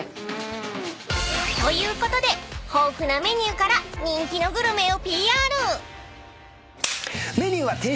［ということで豊富なメニューから人気のグルメを］